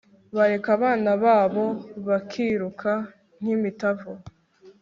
bareka abana babo bakiruka nk'imitavu